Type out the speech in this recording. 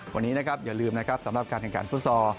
วันนี้นะครับอย่าลืมนะครับสำหรับการแข่งขันฟุตซอล